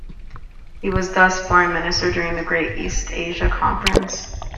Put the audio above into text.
He was thus foreign minister during the Greater East Asia Conference.